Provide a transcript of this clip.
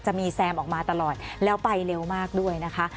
จะมีแซมออกมาตลอดแล้วไปเร็วมากด้วยนะคะ